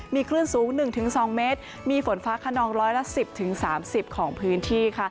มีคลื่นสูง๑๒เมตรมีฝนฟ้าขนองร้อยละ๑๐๓๐ของพื้นที่